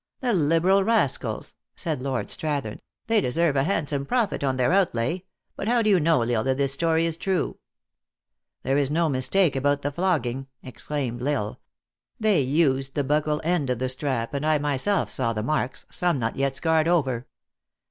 " The liberal rascals! " said Lord Strathern ;" they 328 THE ACTRESS IN HIGH LIFE. deserve a handsome profit on their outlay. But how do you know, L Isle, that this story is true ?" "There is no mistake about the flogging," exclaimed L Isle. " They used the huckle end of the strap, and I myself saw the marks, some not yet scarred over."